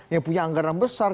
yang punya anggaran besar